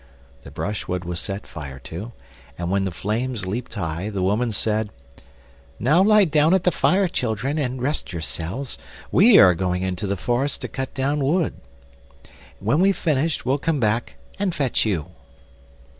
The brushwood was set fire to, and when the flames leaped high the woman said: "Now lie down at the fire, children, and rest yourselves: we are going into the forest to cut down wood; when we've finished we'll come back and fetch you."